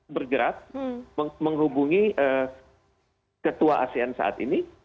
bergerak menghubungi ketua asean saat ini